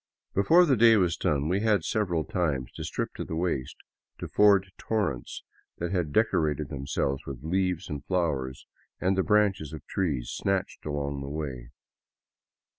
Before the day was done we had several times to strip to the waist to ford torrents that had decorated themselves with leaves and flowers and the branches of trees snatched along the way.